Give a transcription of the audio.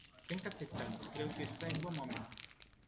Ten que aceptalo, creo que está en bo momento.